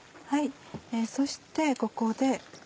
そしてここで。